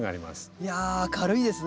いや明るいですね